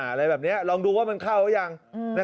อะไรแบบนี้ลองดูว่ามันเข้าหรือยัง